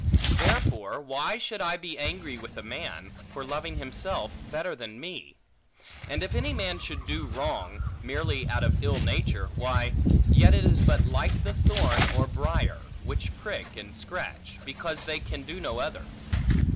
Therefore why should I be angry with a man, for loving himself better than me? And if any man should do wrong, merely out of ill nature, why, yet it is but like the thorn or briar, which prick and scratch, because they can do no other.